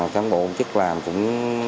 cám bộ công chức làm cũng